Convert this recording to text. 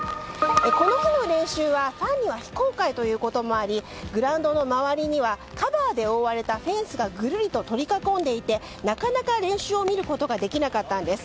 この日の練習はファンには非公開ということもありグラウンドの周りにはカバーで覆われたフェンスがぐるりと取り囲んでいてなかなか練習を見ることができなかったんです。